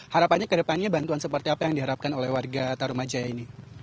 harapannya ke depannya bantuan seperti apa yang diharapkan oleh warga tarumajaya ini